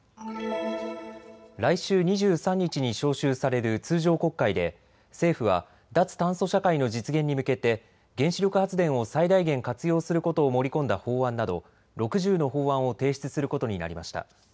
来週２３日に召集される通常国会で政府は脱炭素社会の実現に向けて原子力発電を最大限活用することを盛り込んだ法案など６０の法案を提出することになりました。